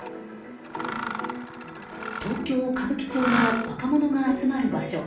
東京・歌舞伎町の若者が集まる場所